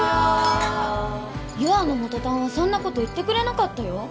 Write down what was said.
優愛の元担はそんなこと言ってくれなかったよ。